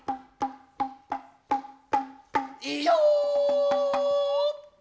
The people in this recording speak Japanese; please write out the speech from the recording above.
いよ。